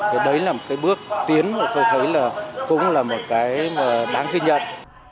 thì đấy là một cái bước tiến mà tôi thấy là cũng là một cái mà đáng ghi nhận